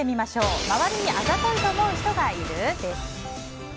周りにあざといと思う人がいる？